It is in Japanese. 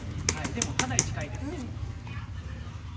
でも、かなり近いです。